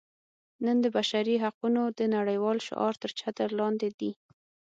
نن د بشري حقونو د نړیوال شعار تر چتر لاندې دي.